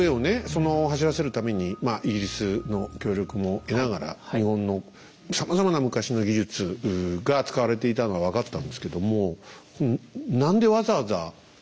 その走らせるためにイギリスの協力も得ながら日本のさまざまな昔の技術が使われていたのは分かったんですけどもそこですよね。